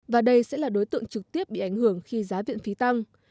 và đây sẽ là đối tượng trực tiếp bị ảnh hưởng khi giá viện phí tăng